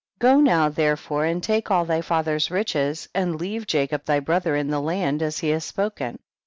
23. Go now therefore and take all thy father's riches and leave Jacob thy brother in the land, as he has spoken.